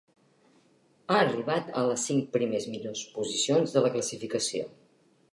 Ha arribat a les cinc primers millors posicions de la classificació.